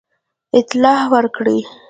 اطلاع ورکړه.